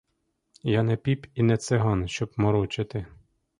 Я не піп і не циган, щоб морочити.